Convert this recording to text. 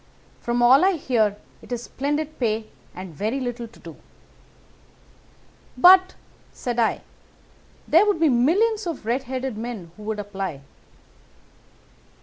From all I hear it is splendid pay and very little to do.' "'But,' said I, 'there would be millions of red headed men who would apply.